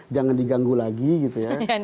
jangan diganggu lagi gitu ya